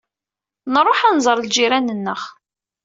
Nruḥ ad d-nẓer lǧiran-nneɣ.